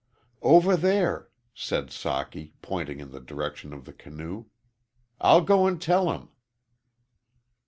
"Over there," said Socky, pointing in the direction of the canoe. "I'll go and tell him."